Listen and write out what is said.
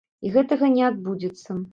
І гэтага не адбудзецца.